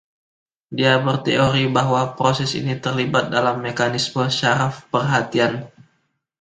Dia berteori bahwa proses ini terlibat dalam mekanisme syaraf perhatian.